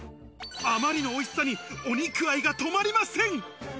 あまりのおいしさにお肉愛が止まりません。